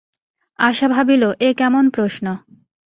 আশা ভাবিল, এ কেমন প্রশ্ন।